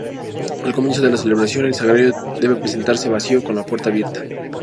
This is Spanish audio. Al comienzo de la celebración, el sagrario debe presentarse vacío con la puerta abierta.